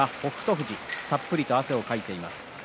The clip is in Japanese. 富士たっぷりと汗をかいています。